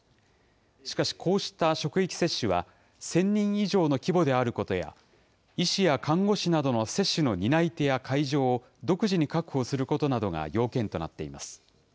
しかしこうした職域接種は、１０００人以上の規模であることや、医師や看護師などの接種の担い手や会場を、独自に確保することなどが要件となっています。